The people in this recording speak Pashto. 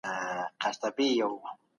دا اول عدد دئ.